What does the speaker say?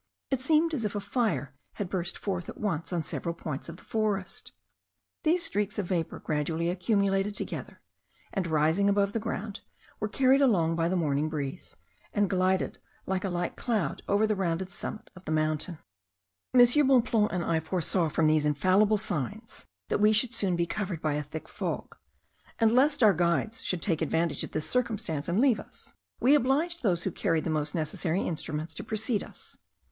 It seemed as if a fire had burst forth at once on several points of the forest. These streaks of vapour gradually accumulated together, and rising above the ground, were carried along by the morning breeze, and glided like a light cloud over the rounded summit of the mountain. M. Bonpland and I foresaw from these infallible signs, that we should soon be covered by a thick fog; and lest our guides should take advantage of this circumstance and leave us, we obliged those who carried the most necessary instruments to precede us.